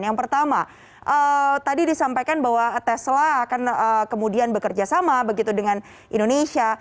yang pertama tadi disampaikan bahwa tesla akan kemudian bekerja sama begitu dengan indonesia